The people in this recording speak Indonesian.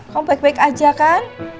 komplek baik baik aja kan